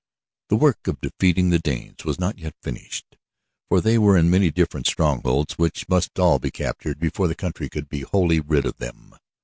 The work of defeating the Danes was not yet finished, for they were in many different strongholds which must all be captured before the country could be wholly rid of them.